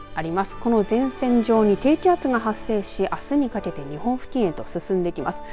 この前線上に低気圧が発生しあすにかけて日本付近へと進んできます。